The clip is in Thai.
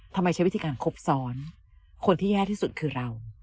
ใช้วิธีการครบซ้อนคนที่แย่ที่สุดคือเรา